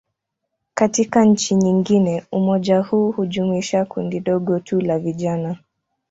Katika nchi nyingine, umoja huu hujumuisha kundi dogo tu la vijana.